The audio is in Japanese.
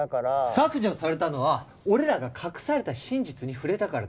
削除されたのは俺らが隠された真実に触れたからだ。